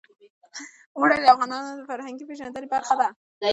اوړي د افغانانو د فرهنګي پیژندنې برخه ده.